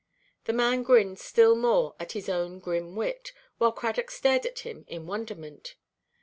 The man grinned still more at his own grim wit, while Cradock stared at him in wonderment.